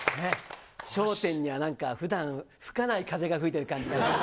笑点にはなんかふだん、吹かない風が吹いてる感じが。